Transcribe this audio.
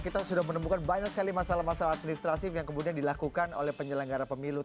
kita sudah menemukan banyak sekali masalah masalah administrasif yang kemudian dilakukan oleh penyelenggara pemilu